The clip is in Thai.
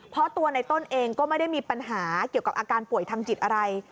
เพราะตัวในต้นเองก็ไม่ได้มีปัญหาเกี่ยวกับอาการป่วยทางจิตอะไร